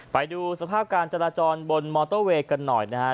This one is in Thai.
ไปดูสภาพการจราจรบนมอเตอร์เวย์กันหน่อยนะครับ